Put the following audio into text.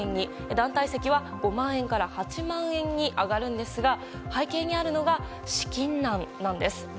団体席は５万円から８万円に上がるんですが背景にあるのが資金難なんです。